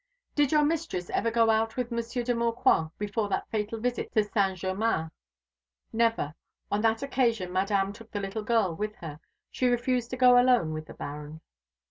"Did your mistress ever go out with Monsieur de Maucroix before that fatal visit to Saint Germain?" "Never. And on that occasion Madame took the little girl with her. She refused to go alone with the Baron."